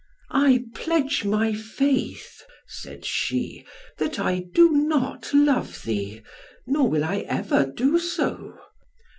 "I pledge my faith," said she, "that I do not love thee, nor will I ever do so."